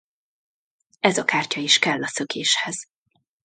Ez a kártya is kell a szökéshez.